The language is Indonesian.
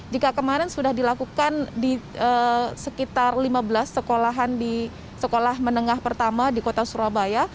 jika kemarin sudah dilakukan di sekitar lima belas sekolahan di sekolah menengah pertama di kota surabaya